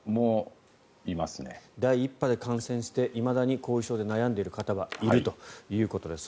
第１波で感染していまだに後遺症で悩んでいる方がいるということです。